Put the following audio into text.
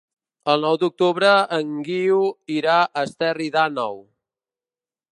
El nou d'octubre en Guiu irà a Esterri d'Àneu.